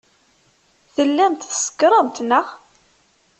Tellamt tsekṛemt, neɣ?